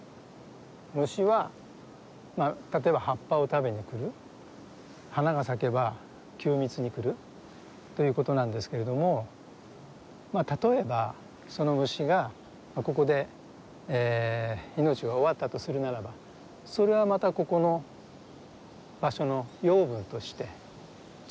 虫は例えば葉っぱを食べに来る花が咲けば吸蜜に来るということなんですけれども例えばその虫がここで命が終わったとするならばそれはまたここの場所の養分として土にかえっていくわけですよね。